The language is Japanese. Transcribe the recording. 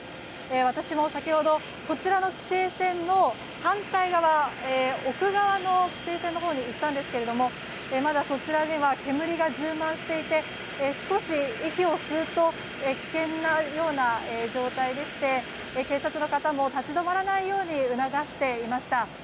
私も先ほどこちらの規制線の反対側奥側の規制線のほうに行ったんですけどもまだ、そちらには煙が充満していて少し息を吸うと危険なような状態でして警察の方も立ち止まらないように促していました。